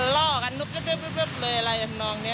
ล่อกันนุบเลยอะไรทำนองนี้